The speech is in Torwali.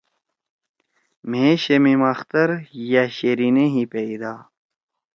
مھیئے شمیم اختر یأ شیرینے ہی پیدا